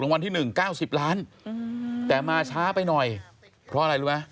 วันที่๑๙๐ล้านแต่มาช้าไปหน่อยเพราะอะไรรู้ไหม